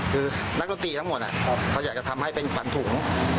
คือนักดนตรีทั้งหมดเขาอยากจะทำให้เป็นขวัญถุง